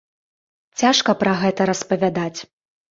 Цяжка пра гэта распавядаць.